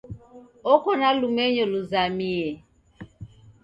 Oko na lumenyo luzamie.